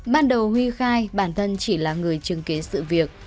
ban đầu huy khai bản thân chỉ là người chứng kế sự việc